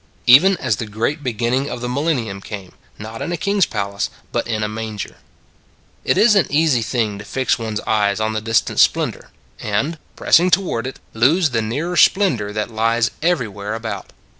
Even as the great beginning of the mil lennium came, not in a king s palace, but in a manger. It is an easy thing to fix one s eyes on the distant splendor, and, pressing toward it, lose the nearer splendor that lies every where about.